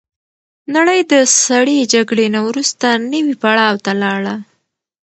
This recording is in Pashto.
نړۍ د سړې جګړې نه وروسته نوي پړاو ته لاړه.